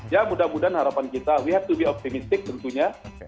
ya mudah mudahan harapan kita we have to be optimistic tentunya